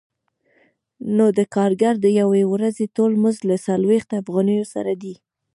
نو د کارګر د یوې ورځې ټول مزد له څلوېښت افغانیو سره دی